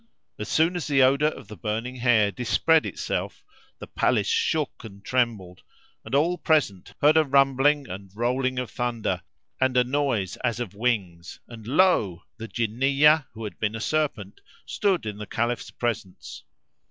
As soon as the odour of the burning hair dispread itself, the palace shook and trembled, and all present heard a rumbling and rolling of thunder and a noise as of wings and lo! the Jinniyah who had been a serpent stood in the Caliph's presence.